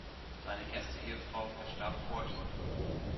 Seine erste Ehefrau verstarb vor ihm.